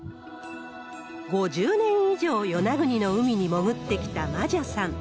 ５０年以上与那国の海に潜ってきた真謝さん。